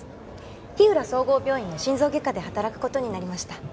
日浦総合病院の心臓外科で働くことになりました